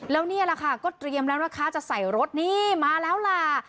แล้วนี่แหละค่ะก็เตรียมแล้วนะคะจะใส่รถนี่มาแล้วล่ะ